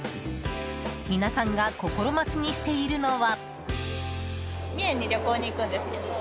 皆さんが心待ちにしているのは。